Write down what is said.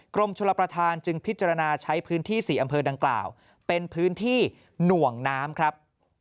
กรมชลประธานจึงพิจารณาใช้พื้นที่๔อำเภอดังกล่าวเป็นพื้นที่หน่วงน้ำครับ